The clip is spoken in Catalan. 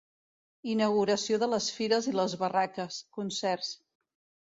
Inauguració de les fires i les barraques, concerts.